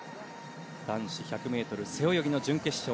男子１００ｍ背泳ぎの準決勝。